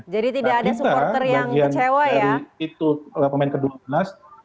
jadi tidak ada supporter yang kecewa ya